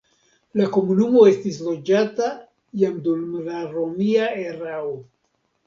La komunumo estis loĝata jam dum la romia erao.